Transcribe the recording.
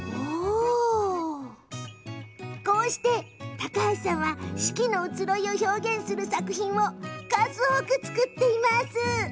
高橋さんは四季の移ろいを表現する作品を数多く作っています。